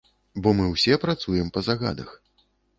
Бо мы ўсе працуем па загадах.